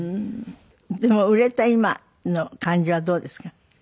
でも売れた今の感じはどうですか？